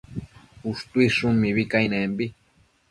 Ushtuidshun mibi cainembi